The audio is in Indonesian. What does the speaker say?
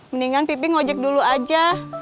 mendingan pipih ngojek dulu aja